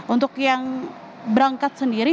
untuk yang berangkat sendiri